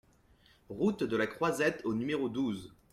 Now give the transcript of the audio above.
Route de la Croisette au numéro douze